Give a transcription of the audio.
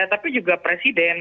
tapi juga presiden